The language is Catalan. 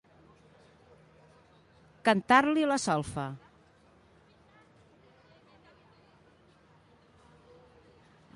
Cantar-li la solfa.